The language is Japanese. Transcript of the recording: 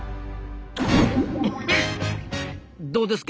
どうですか？